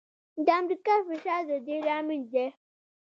د امریکا فشار د دې لامل دی.